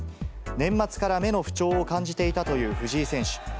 年末から目の不調を感じていたという藤井選手。